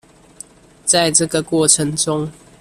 在這個過程中